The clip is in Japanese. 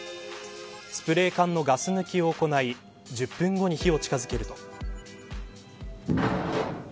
スプレー缶のガス抜きを行い１０分後に火を近づけると。